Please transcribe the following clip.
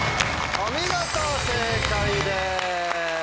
お見事正解です。